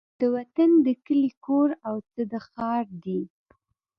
د وطن د کلي کور او څه د ښار دي